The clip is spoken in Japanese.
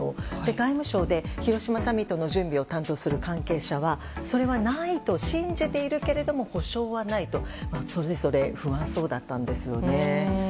外務省で広島サミットの準備を担当する関係者はそれはないと信じているけれど保証はないとそれぞれ不安そうだったんです。